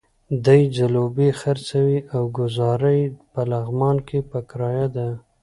دی ځلوبۍ خرڅوي او ګوزاره یې په لغمان کې په کرايه ده.